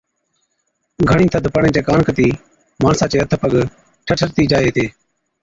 گھڻِي ٿڌ پڙڻي چي ڪاڻ ڪتِي ماڻسان چي هٿ پگ ٺٺرتِي جائي هِتي۔